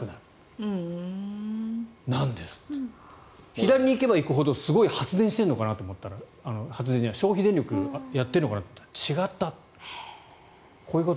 左に行けば行くほどすごい発電してるのかなと思ったら発電じゃない消費電力やってるのかと思ったら違った。